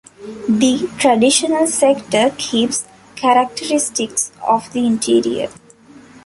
The traditional sector keeps characteristics of the interior.